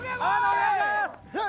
お願いします！